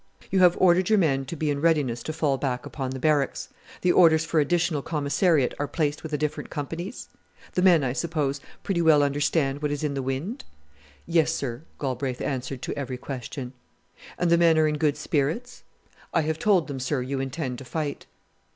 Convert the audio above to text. "You have ordered your men to be in readiness to fall back upon the Barracks. The orders for additional commissariat are placed with the different companies? The men, I suppose, pretty well understand what is in the wind?" "Yes, sir," Galbraith answered to every question. "And the men are in good spirits?" "I have told them, sir, you intend to fight."